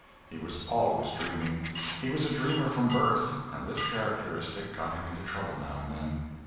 He was always dreaming; he was a dreamer from birth, and this characteristic got him into trouble now and then.